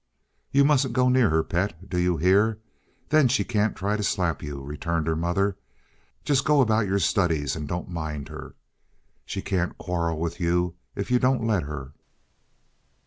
"You mustn't go near her, pet, do you hear? Then she can't try to slap you," returned her mother. "Just go about your studies, and don't mind her. She can't quarrel with you if you don't let her."